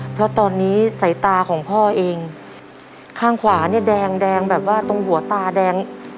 เพราะตอนนี้สายตาของพ่อเองข้างขวาเนี่ยแดงแดงแบบว่าตรงหัวตาแดง